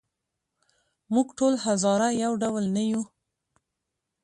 موږ ټول هزاره یو ډول نه یوو.